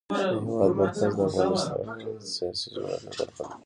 د هېواد مرکز د افغانستان د سیاسي جغرافیه برخه ده.